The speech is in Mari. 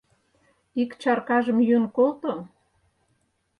Ик чаркажым йӱын колто.